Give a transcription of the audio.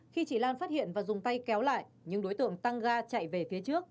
khi chị lan phát hiện và dùng tay kéo lại những đối tượng tăng ga chạy về phía trước